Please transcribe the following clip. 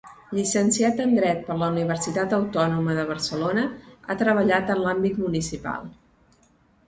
Llicenciat en Dret per la Universitat Autònoma de Barcelona, ha treballat en l'àmbit municipal.